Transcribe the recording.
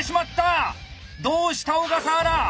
どうした小笠原！